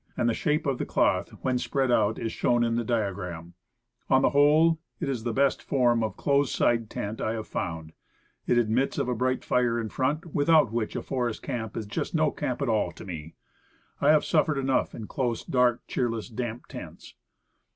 And the shape of the cloth when spread out, is shown in the diagram on page 37. On the whole, it is the best form of close sided tent I have found. It admits 36 Woodcraft. of a bright fire in front, without which a forest camp is just no camp at all to me. I have suffered enough in close, dark, cheerless, damp tents.